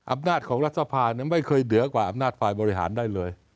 อำนาจของรัฐสภาไม่เคยเหนือกว่าอำนาจฝ่ายบริหารได้เลย